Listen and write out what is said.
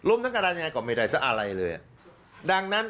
อืม